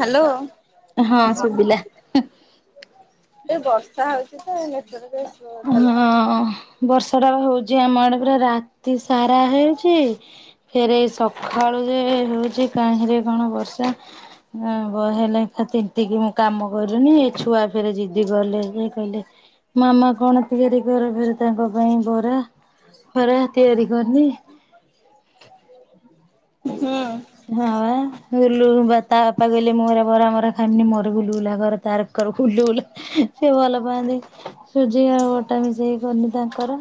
Hello. ହଁ ଶୁଭିଲା। ଏ ବର୍ଷା ହଉଛି ତର ହଁ ବର୍ଷାଟା ହଉଛି ଆମ ଆଡେ ପୁରା ରାତି ସାରା ହେ ଫେରେ ସକାଳୁ ଯେ ହଉଛି କାହିଁରେ କଣ ବର୍ଷା ହ ବ ହେଲାାମିତିକି ମୁଁ କାମ କଲିୁନି ଏ ଛୁଆ ଫେରେ ଜିଦି ଗଲେ ସେ କହିଲେ ମାମା କଣ ତିଆରି କର ଫରେ ତାଙ୍କ ପାଇଁ ବରା ଖରା ତିଆରି କରିନି ହୁଁ। ହଁୁ ତା ବାପା କହିଲେ ମୁଁରା ବରା ମରା ଖାଇମିନି ମୋର ବୁ ଲୁଗଲା ଘର ତାରର ବୁ ଲୁଗଲା ସେ ଭଲ ପାଆନ୍ତି, ସୁଜି ଆଉ ଅଟା ମିଶେଇକି କନି ତାଙ୍କର।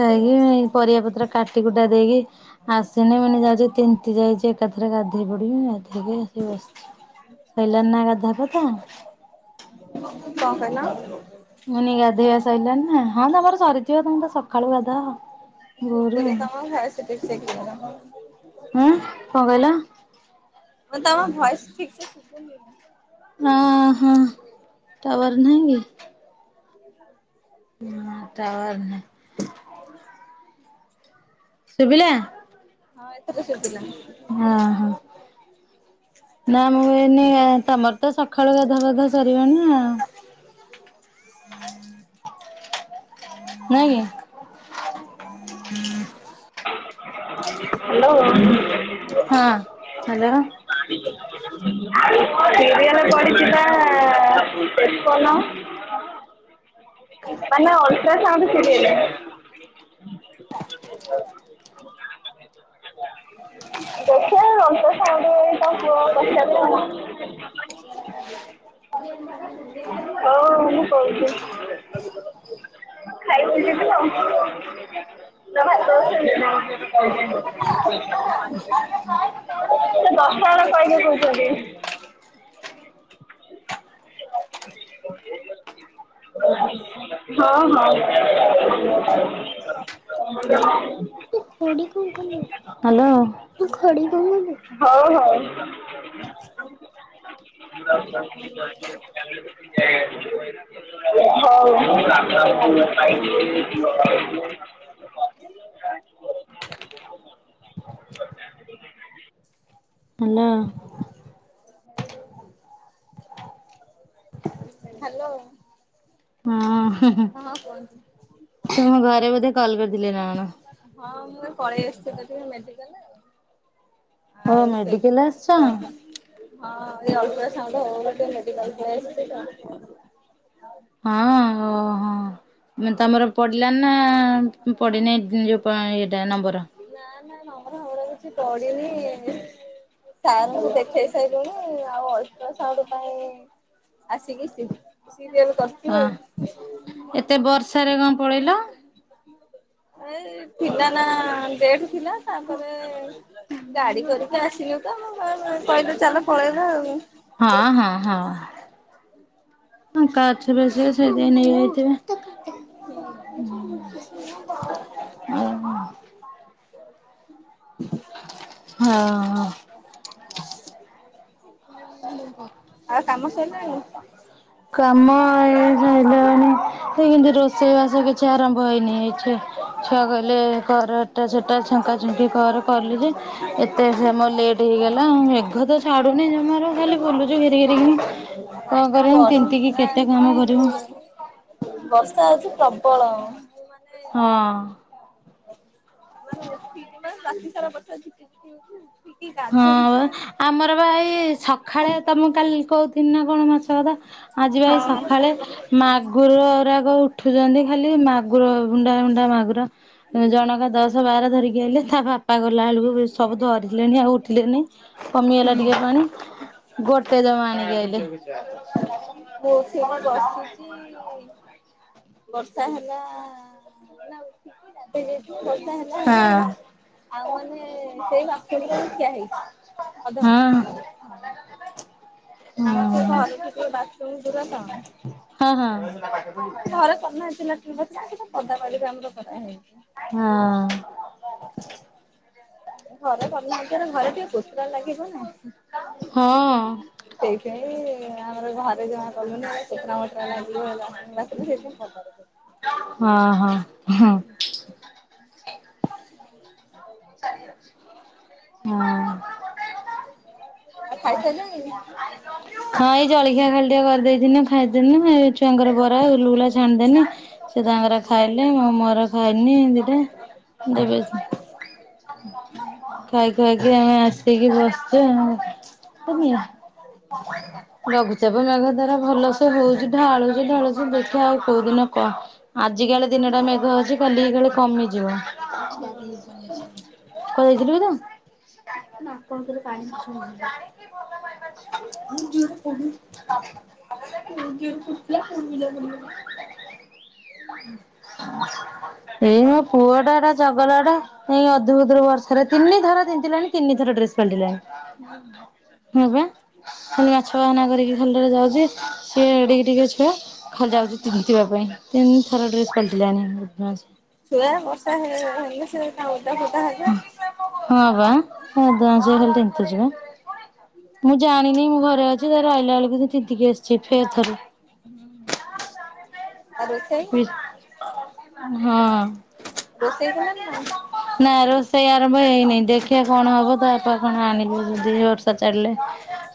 ଯାଇକି ପରିବା ପତ୍ର କାଟି କୁଟା ଦେଇକି ଆସିନି ମୁଁ କଇନି ଯାଉଚି ତିନ୍ତି ଯାଇଛି ଏକାଥରେ ଗାଧେଇ ପଡିବି ଗାଧେଇକି ଆସି ବସିଛି। ଶଇଲାଣି ନା ଗାଧୁଆ ପାଧୁଆ। କଣ କହିଲ? ମୁ କନି ଗାଧୋଇବା ଶଇ ଲାଣି ନା, ହଁ ତମର ସରିଥିବ ତମେ ତ ସକାଳୁ ଗାଧାଅ। ଭୋରୁ ସୁଦୁନେ ଆଉ କାମ ହେ ସେଠି ସେଠିକିଗଲା। ହୁଁ କଣ କହିଲ? ମୁଁ ତମ ଭଏସ ଠିକ ସେ ଶୁଭୁନି। ଅ ହଁ ଟୱାର ନାହିଁ କି? [inaudible] ହଁ ଟାୱାର ନାହିଁ। ଶୁଭିଲା। ହଁ ଏଥର ଶୁଭିଲା। ହଁ ହଁ। ନା ମୁଁ କଇନି ତମର ତ ସକାଳୁ ଗାଧୁଆ ପାଧୂଆ ସରିବଣିି ଆଉ। ହ [inaudible] ନାଇଁ କି? [inaudible] ହାଲୋ। ହଁ ହାଲୋ। ସିରିଏଲ୍ ପଡ଼ିଚି ବା ଟୁକନ। ପାଲୋ ଅଲଟ୍ରା ସାଉଣ୍ଡ ସିରିଏଲ୍। ଦେଖିବା ଅଲଟ୍ରା ସାଉଣ୍ଡ ତା ପୁଅ ଦେଖ ଆଉ ହଉ ମୁଁ କହୁଛି। ଖାଇକି ଯିବୁ ଆଉ। ତ ଭାଇ ବସେଇଚି। ସେ ଦଶଟା ବେଳେ କହିବେ କହୁଛନ୍ତି। [unintelligible] ହ୍ୟାଲୋ ହଉ ହଉ [unintelligible] ହାଲୋ। ହ୍ୟାଲୋ। ହଁ ହଁ। ହଁ କୁହନ୍ତୁ? ତମ ଘରେ ବୋଧେ କଲ କରିଥିଲେ ନା କଣ? ହଁ ମୁଁ ପଳେଇ ଆସିଥିଲି ତ ମେଡିକାଲ। ଓ ଆଉ ମେଡିକାଲ ସେଇଥିପାଇଁ ଆସିଛ କଲ୍ କରିଥିଲି। ହଁ ଏଇ ଅଲଟ୍ରା ସାଉଣ୍ଡ ହବ ବୋଲି ମେଡିକାଲ ପଳେଇ ଆସିଥିଲି ତ? ହଁ ଓହ ମାନେ ତମର ପଡିଲା ନା ମୁଁ ପଡିିନେ଼ଇ ଯୋଉ ଏଇ ଏଇଟା ନମ୍ବର। ନା ନା ନମ୍ବର ଫମ୍ବର୍ କିଛି ପଡିିନି। ମୁଁ ସାରଙ୍କୁ ଦେଖେଇ ସାରିଲୁଣି ଆଉ ଅଲଟ୍ରାସାଉଣ୍ଡ ପାଇଁ ଆସିକି ଆସିବୁ ସିରୀୟଲ କରିଚୁ ହଁ ଆଉ ଏତେ ବର୍ଷାରେ କଣ ପଳେଇଲ? ଏଇ ଥିଲାନା ଡେଟ ଥିଲା ତାପରେ ଗାଡି କରିକି ଆସିଲୁ ତ କହିଲେ ଚାଲ ପଳେଇବା ଆଉ ହଁ ହଁ ହଁଫାଙ୍କା ଅଛି ବେଶି ନେଇଯାଇଥିବେ। ହୁଁ। ହଁ ହଁ। ହ [inaudible] ଆଉ କାମ ସରିଲାଣି? କାମ ହୋଇସାରିଲାଣି ସେ କିନ୍ତୁ ରୋଷେଇ ବାସ କିଛି ଆରମ୍ଭ ହେଇନି ଏ ଯାଏ। ଛୁଆ କଲେ ଘରଟା ସେଟା ଛେଙ୍କା ଛୁଙ୍କୀ କଲି ଯେ ଏତେ ସେ ମୋର ଲେଟ୍ ହେଇଗଲା ମେଘ ତ ଛାଡୁନି ଜମାରୁ ଖାଲି ବୁଲୁଛୁ ଘିରି ଘିରି କିନୀ। କଣ କରିବା ତିନ୍ତିକି କେତେ କାମ କରିବୁ? ବର୍ଷା ହଉଛି ପ୍ରବଳ। ହଁ। ଫିଡ ମାଇଲା। ଆ ସାରା ହଁ ଆମର ବା ଏଇ ସଖାଳେ ତମକୁ କାଲି କହୁଥିଲି ନା କଣ ମାଛ କଥା। ଆଜି ବା ଏଇ ସଖାଳେ ମା ମାଗୁର ଗୁରା ଉଠୁଛନ୍ତି ଖାଲି ମାଗୁର ବୁଣ୍ଡା ବୁଣ୍ଡା ମାଗୁର। ଜଣକା ଦଶ ବାର ଧରିକି ଆଇଲେ ତା ବାପା ଗଲା ବେଳକୁ ସବୁ ଧରିଲେଣି ଆଉ ଉଠୀଲେନି କମିଗଲା ଟିକେ ପାଣି ଗୋଟେ ଜମା ଆଣୀକି ଆଇଲେ? ମୁଁ ବସିଚି ବର୍ଷା ହେଲା ନା ଉଠିକି ଗାଧେଇ ଯାଇ ବର୍ଷା ହେଲା ହେଲା ହେଲା ଆଉ ମାନେ ସେଇ ବାଥରୁମରେ ମୁଁ ଠିଆ ହେଇଚି। [unintelligible] ଆମର ସେ ଘର ଠୁ ଟିକେ ବାଥରୁମ ଦୂର ତ। ହଁ ହଁ ଆମର ଘରେ କରିନାହାନ୍ତି ଲାଟିନ୍ ବାଥରୁମ୍ କିନ୍ତୁ ପଦା ବାଡିରେ ଆମର କରାହେଇଚି। ହଁ ଘରେ କରିନାହାନ୍ତି ଏରା ଘରେ ଟିକେ କୋତରା ଲାଗିବ ନା। ହଁ ସେଇଥି ପାଇଁ ଆମର ଘରେ ଯାହା କଲୁନି ହେରା କୋତ୍ରା ମୋତ୍ରା ଲାଗିବ ହେ ଲାଟିନ୍ ବାଥରୁମ୍ ସେଥିପାଇଁ ପଦାରେ କଲୁ। ହଁ ହଁ। ହୁଁ ହଁ। ଆଉ ଖାଇ ସାରିଲେଣି? ହଁ ଏଇ ଜଳଖିଆ ଖାଲି ଟିକେ କରିଦେଇଥିନି ଖାଇଦେନୁ ଏଇ ଛୁଆଙ୍କର ବରା ଗୁଲୁଗୁଲା ଛାଣିଦେନି ସେ ତାଙ୍କର ଖାଇଲେ ମୁଁ ମୋର ଖାଇନି ଦିଇଟା [unintelligible] ଖାଇ ଖୁଆକି ଆମେ ଆସିକି ବସିଚି ଆଉ [unintelligible] ଲଘୁଚାପ ମେଘ ତାର ଭଲସେ ହୋଉଚି ଢାଳୁଚି ଢାଳୁଚି ଦେଖିବା ଆଉ କୋଉ ଦିନ କ ଆଜିକାଳେ ଦିନଟା ମେଘ ଅଛି। କାଲିକି କାଳେ କମିଯିବ। କୁଆଡେ ଯାଇଥିଲୁ ତୁ କି? [unintelligible] [unintelligible] ଏଇ ମୋ ପୁଅଟା ହେଟା ଚଗଲାଟା। ଏଇ ଅଧୁଭୁତୁରୁ ବର୍ଷାରେ ତିନିଥର ତିିନ୍ତିଲାଣି ତିନିଥର ଡ୍ରେସ ପାଲଟିଲାଣି। ହଁ ପା ଖାଲି ମାଛ ବାହନା କରିକି ଖାଲିଟାରେ ଯାଉଚି ସିଏ ଏଡିକି ଟିକେ ଛୁଆ ଖାଲି ଯାଉଚି ତିନ୍ତିବା ପାଇଁ ତିନି ଥର ଡ୍ରେସ ପାଲଟିଲାଣି ବଦମାସି। ଛୁଆ ବର୍ଷା ହେ-ହେଲେ ସିଏ ତ ଓଦା ଫୋଦା ହେବେ। ହଁ ପା ମେଘ ଆସିଲେ ଖାଲି ତିନ୍ତି ଯିବ। ମୁଁ ଜାଣିନି ମୁଁ ଘରେ ଅଛି। ତାର ଆଇଲା ବେଳକୁ ତିନ୍ତିକି ଆସିଚି ଫେରେ ଥରେ। ହୁଁ ଆରେ ହଁ। ନା ରୋଷେଇ ଆରମ୍ଭ ହେଇନାଇଁ। ଦେଖିବା କଣ ହବ ତା ବାପ କଣ ଆଣିବେ ଏଇ ଯଦି ବର୍ଷା ଛାଡିଲେ।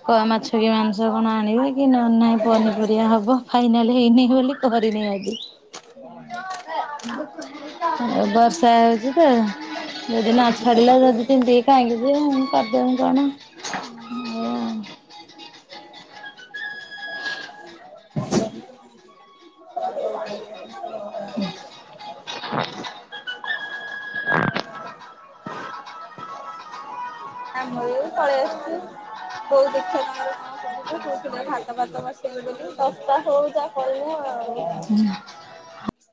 କଣ ମାଛ କି ମାଂସ କଣ ଆଣିବେ କି ନହେନ ନାଇଁ ପନିପରିବା ହବ ଫାଇନାଲ ହେଇନି ବୋଲି କରିନି ଆଜି। ବର୍ଷା ହୋଉଚି ତ ଯଦି ନଛାଡିଲା ତୁ ଆଜି ତିନ୍ତିକି କାହିଁକି ଜିବୁ ମୁଁ କରିଦବି କଣ। ହୁଁ। ଆଉ [inaudible] [inaudible] [inaudible] [inaudible] ଆମର ଏଇ ପଳେଇ ଆସିଚୁ ବୋଉ ଦେଖିଆ ତାଙ୍କର ହଁ କରିବେ କୋଉଥିଲେ ଭାତ ଫାତ ବସେଇବେ ବୋଲି ଦଶଟା ହୋଉ ଯାହା କହିମୁଁ ଆଉ। ହୁଁ।